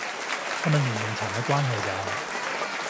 係咪年齡層嘅關係咋